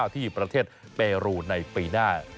ที่ประเทศเปรูในปีหน้า